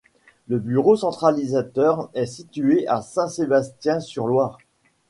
Le bureau centralisateur est situé à Saint-Sébastien-sur-Loire.